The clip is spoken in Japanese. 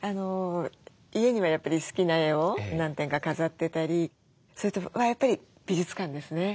家にはやっぱり好きな絵を何点か飾ってたりそれとやっぱり美術館ですね。